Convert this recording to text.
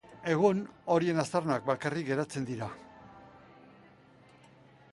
Egun, horien aztarnak bakarrik geratzen dira.